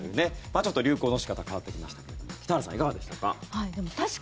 ちょっと流行の仕方が変わってきましたが北原さん、いかがでしたか？